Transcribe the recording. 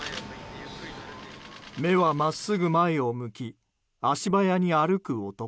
目はまっすぐ前を向き足早に歩く男。